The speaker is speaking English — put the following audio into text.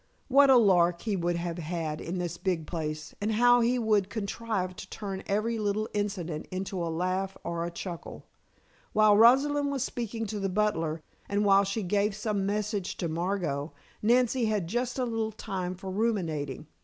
What a lark he would have had in this big place and how he would contrive to turn every little incident into a laugh or a chuckle? While Rosalind was speaking to the butler, and while she gave some message to Margot, Nancy had just a little time for ruminating.